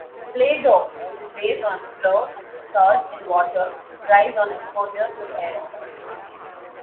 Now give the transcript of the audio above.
Play-Doh, which is based on flour, salt and water, dries on exposure to air.